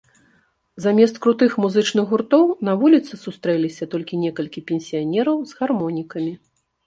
Замест крутых музычных гуртоў на вуліцы сустрэліся толькі некалькі пенсіянераў з гармонікамі.